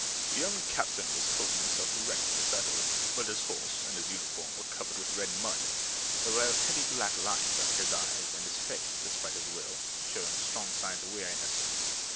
The young captain was holding himself erect in the saddle, but his horse and his uniform were covered with red mud. There were heavy black lines under his eyes and his face, despite his will, showed strong signs of weariness.